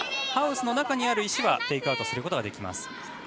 ハウスの中にある石はテイクアウトすることができます。